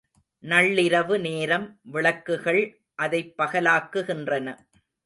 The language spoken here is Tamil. நள்ளிரவு நேரம் விளக்குகள் அதைப் பகலாக்குகின்றன.